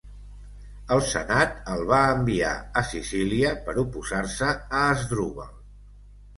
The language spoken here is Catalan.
El senat el va enviar a Sicília per oposar-se a Àsdrubal.